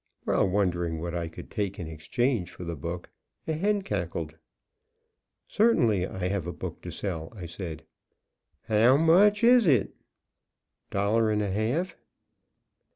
While wondering what I could take in exchange for the book, a hen cackled. "Certainly. I have a book to sell," I said. "How much is it?" "Dollar and a half."